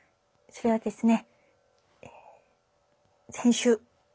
それはですね